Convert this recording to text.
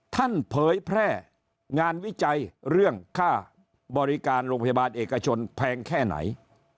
เผยแพร่งานวิจัยเรื่องค่าบริการโรงพยาบาลเอกชนแพงแค่ไหน